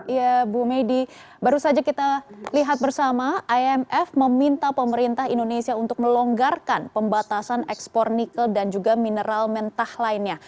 ya bu medi baru saja kita lihat bersama imf meminta pemerintah indonesia untuk melonggarkan pembatasan ekspor nikel dan juga mineral mentah lainnya